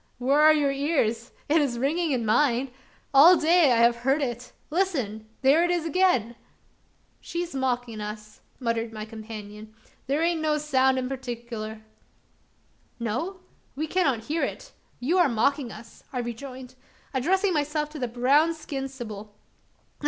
where are your ears? It is ringing in mine. All day I have heard it. Listen! there it is again!" "She's a mockin' us," muttered my companion; "thar ain't no soun' in partickler." "No? we cannot hear it; you are mocking us," I rejoined, addressing myself to the brown skinned, sibyl.